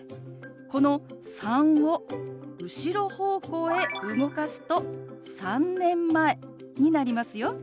この「３」を後ろ方向へ動かすと「３年前」になりますよ。